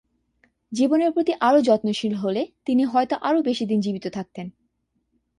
জীবনের প্রতি আরও যত্নশীল হলে তিনি হয়তো আরও বেশিদিন জীবিত থাকতেন।